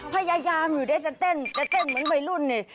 พยายามอยู่เดี๋ยวจะเต้นจะเต้นเหมือนวัยรุ่นนี่